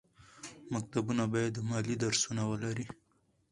مکتبونه باید مالي درسونه ولري.